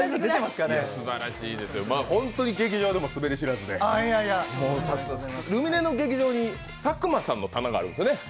すばらしいですよ、本当に劇場でもスベり知らずでルミネの劇場に佐久間さんの棚があるんですよね。